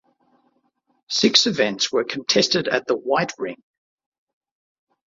Six events were contested at the White Ring.